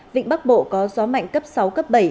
vịnh bắc bộ có gió mạnh cấp sáu cấp bảy